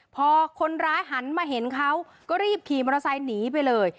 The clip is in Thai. พอคนร้ายหันมาเห็นเขาก็รีบขี่มอเตอร์ไซค์หนีไปเลย